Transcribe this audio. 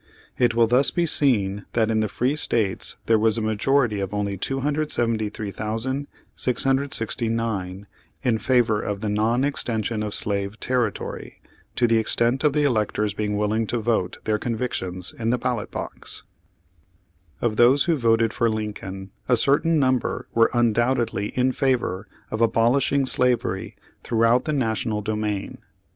It will thus be seen that in the free States there was a majority of only 273, 669 in favor of the non extension of slave terri tory, to the extent of the electors being willing to vote their convictions in the ballot box. 6 Page Forty two Of those who voted for Lincoln a certain num ber were undoubtedly in favor of abolishing slavery throughout the national domain.